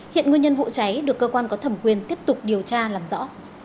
hiện nguyên nhân vụ cháy được cơ quan có thẩm quyền tiếp tục điều tra làm rõ